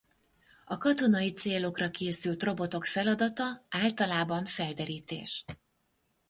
A katonai célokra készült robotok feladata általában felderítés.